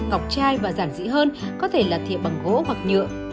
cọc chai và giản dị hơn có thể là thịa bằng gỗ hoặc nhựa